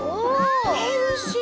ヘルシー。